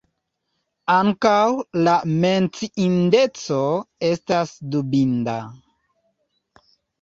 Ankaŭ, la menciindeco estas dubinda.